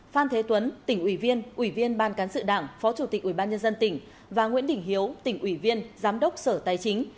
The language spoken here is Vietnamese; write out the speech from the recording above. phan thế tuấn tỉnh ủy viên ủy viên ban cán sự đảng phó chủ tịch ủy ban nhân dân tỉnh và nguyễn đình hiếu tỉnh ủy viên giám đốc sở tài chính